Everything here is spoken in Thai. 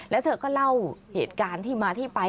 แล้วเธอก็เล่าเหตุการณ์ที่มาที่ไป